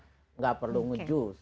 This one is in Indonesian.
tidak perlu menanam jus